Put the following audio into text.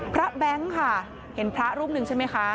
แบงค์ค่ะเห็นพระรูปหนึ่งใช่ไหมคะ